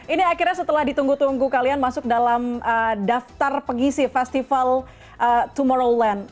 ini akhirnya setelah ditunggu tunggu kalian masuk dalam daftar pengisi festival tomorrowland